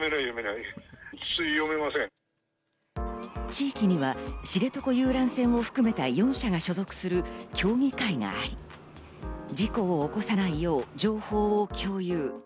地域には知床遊覧船を含めた４社が所属する協議会があり、事故を起こさないよう情報を共有。